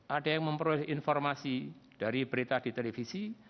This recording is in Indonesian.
ada yang memperoleh informasi dari berita di televisi